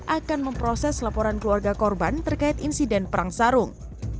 akan memproses laporan keluarga korban terkait insiden perang sarung